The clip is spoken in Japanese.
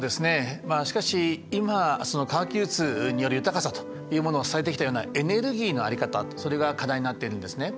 まあしかし今その科学技術による豊かさというものを支えてきたようなエネルギーの在り方それが課題になってるんですね。